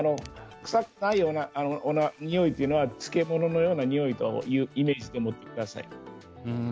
臭くないにおいっていうのはお漬物のようなにおいというイメージと思ってください。